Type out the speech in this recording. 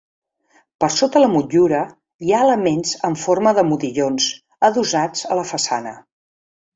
Per sota la motllura hi ha elements en forma de modillons, adossats a la façana.